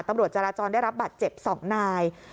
ตำรวจจราจรได้รับบัตรเจ็บ๒นาย